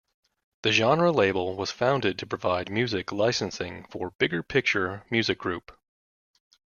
The genre label was founded to provide music licensing for Bigger Picture Music Group.